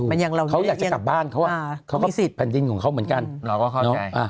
เขาอยากจะกลับบ้านเพราะว่ามีสิทธิ์แผ่นดินของเขาเหมือนกัน